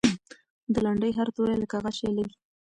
د لنډۍ هر توری لکه غشی لګي.